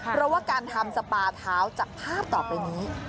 เพราะว่าการทำสปาเท้าจากภาพต่อไปนี้